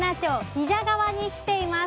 比謝川に来ています。